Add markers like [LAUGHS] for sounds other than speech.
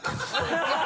ハハハ [LAUGHS]